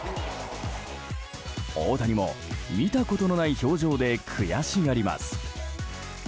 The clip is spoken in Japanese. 大谷も見たことのない表情で悔しがります。